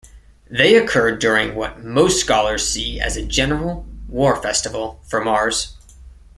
They occur during what most scholars see as a general "war festival" for Mars.